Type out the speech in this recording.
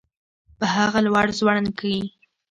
په هغه لوړ ځوړند کي